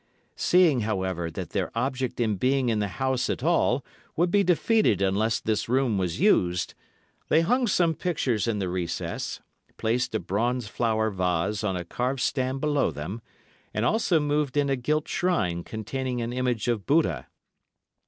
Seeing, however, that their object in being in the house at all would be defeated unless this room was used, they hung some pictures in the recess, placed a bronze flower vase on a carved stand below them, and also moved in a gilt shrine containing an image of Buddha.